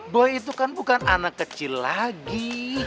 boy itu kan bukan anak kecil lagi